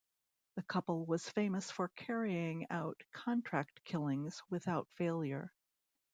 The couple was famous for carrying out contract killings without failure.